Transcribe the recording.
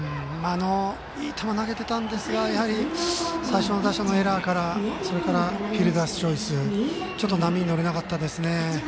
いい球を投げてたんですがやはり最初の打者のエラーからそれからフィルダースチョイスちょっと波に乗れなかったですね。